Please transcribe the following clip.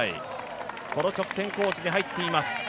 この直線コースに入っています。